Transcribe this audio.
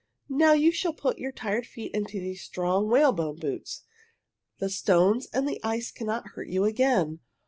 Now you shall put your tired feet into these strong whale bone boots. The stones and the ice cannot hurt you again."